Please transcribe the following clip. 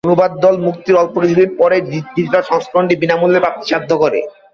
অনুবাদ দল মুক্তির অল্প কিছুদিন পরেই ডিজিটাল সংস্করণটি বিনামূল্যে প্রাপ্তিসাধ্য করে।